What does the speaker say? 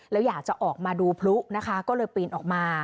แล้วอยากจะออกมาดูพลุนะคะก็เลยปีนออกมา